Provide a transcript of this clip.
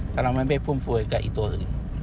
แล้วเราไม่ไปฟุ่มเฟยกับอีกตัวอื่น